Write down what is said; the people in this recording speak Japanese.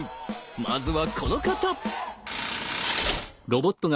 まずはこの方！